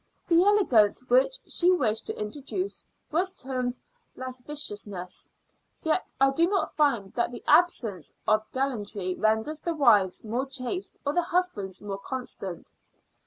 The elegance which she wished to introduce was termed lasciviousness; yet I do not find that the absence of gallantry renders the wives more chaste, or the husbands more constant.